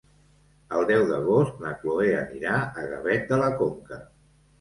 El deu d'agost na Cloè anirà a Gavet de la Conca.